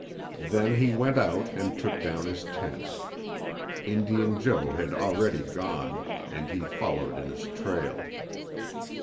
Then he went out and took down his tent. Indian Joe had already gone, and he followed in his trail.